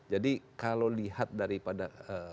jadi kalau lihat daripada